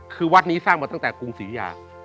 คือวัดนี้สร้างมาตั้งแต่กรุงศรียา